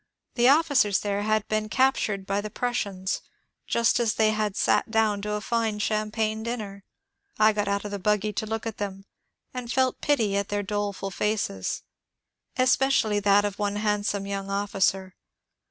The officers there had been captured by the Prussians just as they had sat down to a fine champagne dinner. I got out of the buggy to look at them, and felt pity at their doleful faces, especially that of one handsome young officer.